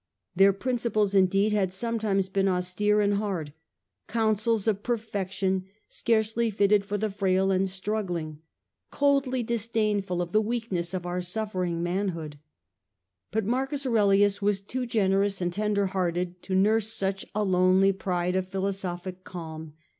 Their principles indeed guidance, had sometimes been austere and hard, counsels of per fection scarcely fitted for the frail and struggling, coldly disdainful of the weakness of our suffering manhood. But Marcus Aurelius was too generous and tenderhearted to nurse such a lonely pride of philosophic calm.